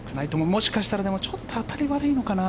もしかしたら、ちょっと当たりが悪いのかな。